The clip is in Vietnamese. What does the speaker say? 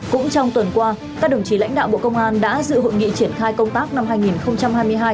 cũng trong tuần qua các đồng chí lãnh đạo bộ công an đã dự hội nghị triển khai công tác năm hai nghìn hai mươi hai